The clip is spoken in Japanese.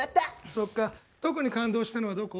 そっか特に感動したのはどこ？